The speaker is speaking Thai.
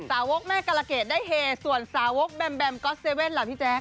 สาวกแม่กรเกดได้เฮส่วนสาวกแบมแบมก๊อตเว่นล่ะพี่แจ๊ค